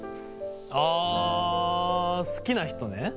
あ好きな人ね？